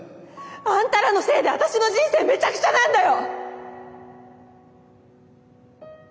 あんたらのせいで私の人生めちゃくちゃなんだよ！